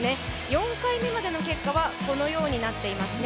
４回目までの結果はこのようになっていますね。